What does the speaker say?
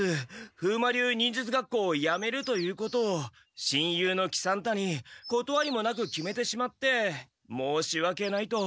風魔流忍術学校をやめるということを親友の喜三太にことわりもなく決めてしまってもうしわけないと。